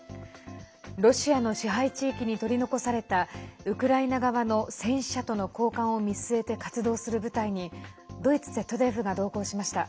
ロシアの支配地域に取り残されたウクライナ側の戦死者との交換を見据えて活動する部隊にドイツＺＤＦが同行しました。